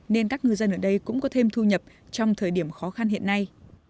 nên các ngư dân ở đây cũng có thêm thu nhập trong thời điểm khó khăn hiện nay